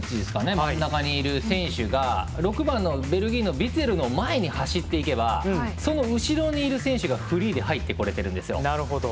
真ん中にいる選手が６番、ベルギーの選手ウィツェルが走っていけばその後ろにいる選手がフリーで入ってこれてるんですよ。